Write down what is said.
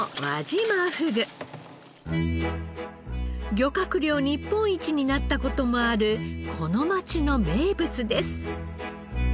漁獲量日本一になった事もあるこの街の名物です。